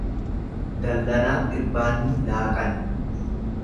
Dallanaa irbaanni laaqana.